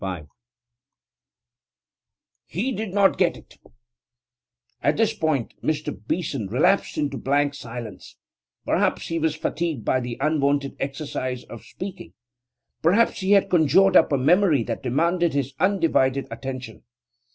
< 5 > 'He did not get it.' At this point Mr. Beeson relapsed into blank silence. Perhaps he was fatigued by the unwonted exercise of speaking; perhaps he had conjured up a memory that demanded his undivided attention.